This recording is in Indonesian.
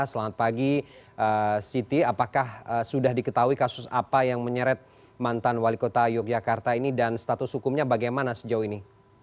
selamat pagi siti apakah sudah diketahui kasus apa yang menyeret mantan wali kota yogyakarta ini dan status hukumnya bagaimana sejauh ini